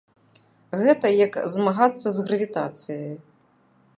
Гэта як змагацца з гравітацыяй.